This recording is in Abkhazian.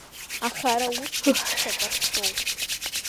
Аха ара усгьы шьакаршроуп.